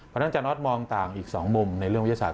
พนักอาจารย์ออสมองต่างอีก๒มุมในเรื่องวิทยาศาสตร์